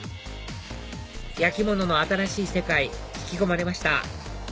焼き物の新しい世界引き込まれました